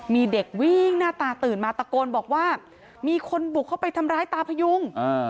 มีเด็กวิ่งหน้าตาตื่นมาตะโกนบอกว่ามีคนบุกเข้าไปทำร้ายตาพยุง